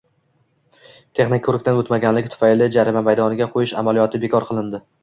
Texnik ko‘rikdan o‘tmaganligi tufayli jarima maydoniga qo‘yish amaliyoti bekor qilindi